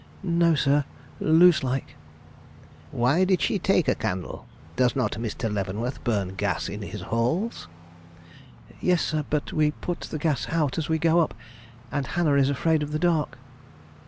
"No, sir; loose like." "Why did she take a candle? Does not Mr. Leavenworth burn gas in his halls?" "Yes, sir; but we put the gas out as we go up, and Hannah is afraid of the dark."